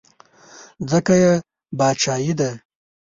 ځکه یې باچایي ده.